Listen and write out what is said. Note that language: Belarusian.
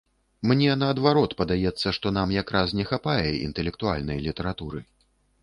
Мне, наадварот, падаецца, што нам як раз не хапае інтэлектуальнай літаратуры.